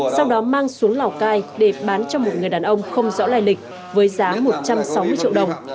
sau đó mang xuống lào cai để bán cho một người đàn ông không rõ lại lịch với giá một trăm sáu mươi triệu đồng